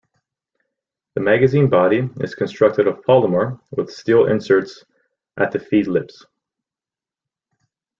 The magazine body is constructed of polymer, with steel inserts at the feed lips.